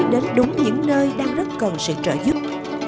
đến đúng những nơi đang rất cần sự trợ giúp